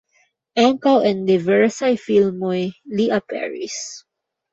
Ankaŭ en diversaj filmoj li aperis.